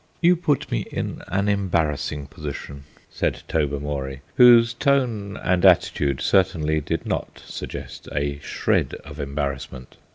"You put me in an embarrassing position," said Tobermory, whose tone and attitude certainly did not suggest a shred of embarrassment.